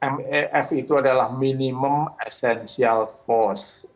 mef itu adalah minimum essential force